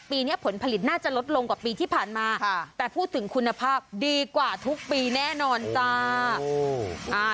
ปีนี้ผลผลิตน่าจะลดลงกว่าปีที่ผ่านมาแต่พูดถึงคุณภาพดีกว่าทุกปีแน่นอนจ้า